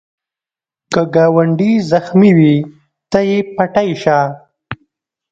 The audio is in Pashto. که ګاونډی زخمې وي، ته یې پټۍ شه